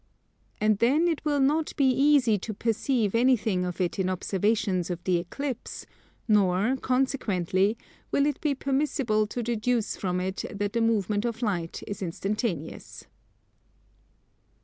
And then it will not be easy to perceive anything of it in observations of the Eclipse; nor, consequently, will it be permissible to deduce from it that the movement of light is instantaneous.